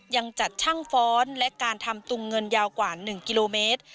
ยังจัดช่างฟ้อนและการทำตุงเงินยาวกว่า๑กิโลเมตร